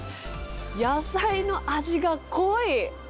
野菜の味が濃い！